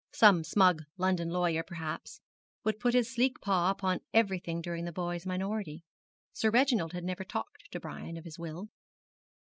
Some smug London lawyer, perhaps, would put his sleek paw upon everything during the boy's minority. Sir Reginald had never talked to Brian of his will.